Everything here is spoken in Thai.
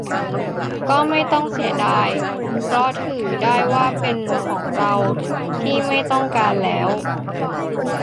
ก็ไม่ต้องเสียดาย เพราะถือได้ว่าเป็นของเราที่ไม่ต้องการแล้ว